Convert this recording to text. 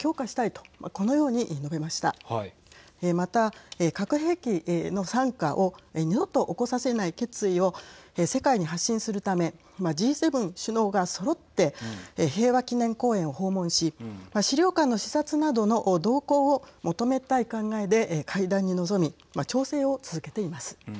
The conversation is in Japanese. また、核兵器の惨禍を二度と起こさせない決意を世界に発信するためＧ７首脳がそろって平和記念公園を訪問し資料館の視察などの同行を求めたい考えで会談に臨み調整を続けています。